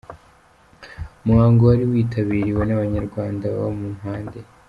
Umuhango wari witabiriwe nAbanyarwanda baba mu mpande.